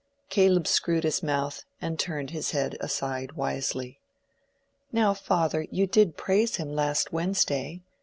Caleb screwed up his mouth and turned his head aside wisely. "Now, father, you did praise him last Wednesday.